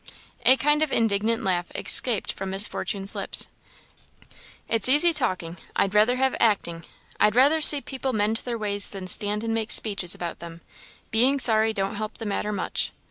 A kind of indignant laugh escaped from Miss Fortune's lips. "It's easy talking; I'd rather have acting. I'd rather see people mend their ways than stand and make speeches about them. Being sorry don't help the matter much."